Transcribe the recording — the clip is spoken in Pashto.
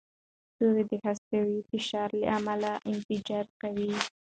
ستوري د هستوي فشار له امله انفجار کوي.